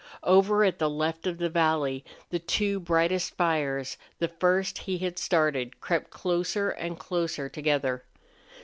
Over at the left of the valley the two brightest fires, the first he had started, crept closer and closer together.